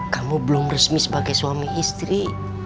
kamu belum resmi sebagai suami istri